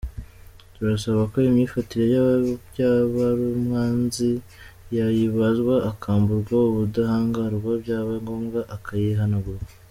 Turasaba ko imyifatire ya Byabarumwanzi yayibazwa, akamburwa ubudahangarwa byaba ngombwa akayihanirwa.